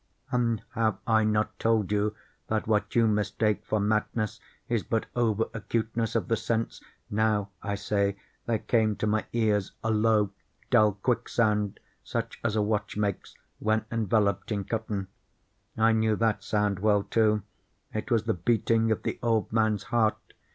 And have I not told you that what you mistake for madness is but over acuteness of the sense?—now, I say, there came to my ears a low, dull, quick sound, such as a watch makes when enveloped in cotton. I knew that sound well, too. It was the beating of the old man's heart.